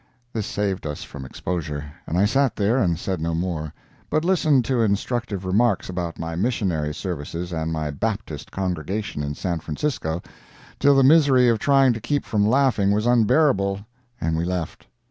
This saved us from exposure, and I sat there and said no more, but listened to instructive remarks about my missionary services and my Baptist congregation in San Francisco till the misery of trying to keep from laughing was unbearable, and we left.